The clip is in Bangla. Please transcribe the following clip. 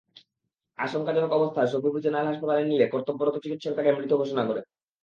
আশঙ্কাজনক অবস্থায় সফিপুর জেনারেল হাসপাতালে নিলে কর্তব্যরত চিকিৎসক তাঁকে মৃত ঘোষণা করে।